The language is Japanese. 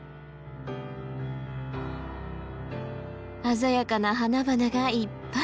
鮮やかな花々がいっぱい！